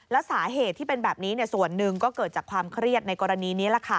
แล้วสาเหตุที่เป็นแบบนี้ส่วนหนึ่งก็เกิดจากความเครียดในกรณีนี้